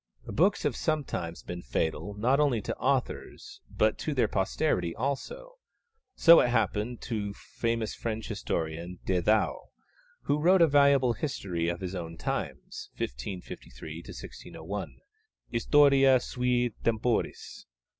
Books have sometimes been fatal, not only to authors, but to their posterity also; so it happened to the famous French historian De Thou, who wrote a valuable history of his own times (1553 1601), Historia sui temporis.